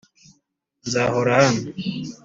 nzahora hano,